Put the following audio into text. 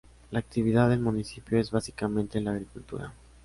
La actividad del municipio es básicamente la agricultura.